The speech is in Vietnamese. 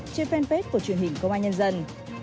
trên fanpage của truyền hình công an nhân dân